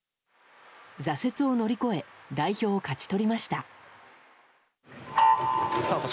挫折を乗り越え代表を勝ち取りました。